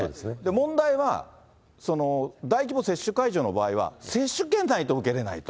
問題は、大規模接種会場の場合は、接種券ないと受けれないと。